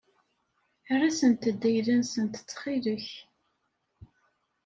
Err-asent-d ayla-nsent ttxil-k.